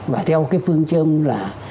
và theo cái phương châm là